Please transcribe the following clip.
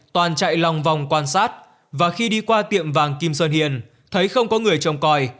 toàn chạy lòng vòng quan sát và khi đi qua tiệm vàng kim sơn hiền thấy không có người trông coi